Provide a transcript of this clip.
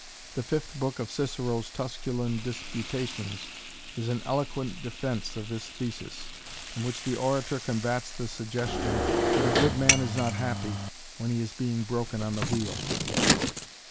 The fifth book of Cicero's Tusculan Disputations is an eloquent defense of this thesis, in which the orator combats the suggestion that a good man is not happy when he is being broken on the wheel.